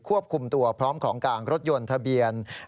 ควบคุมตัวพร้อมของกลางรถยนต์ทะเบียน